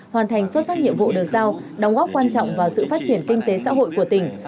hoàn thành xuất sắc nhiệm vụ được giao đóng góp quan trọng vào sự phát triển kinh tế xã hội của tỉnh